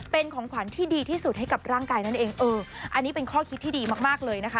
เป็นของขวัญที่ดีที่สุดให้กับร่างกายนั่นเองเอออันนี้เป็นข้อคิดที่ดีมากมากเลยนะคะ